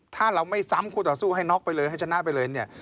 ถ้าเราไม่ซ้ำคู่ต่อสู้ให้น็อกไปเลยให้ชนะไปเลยเนี่ย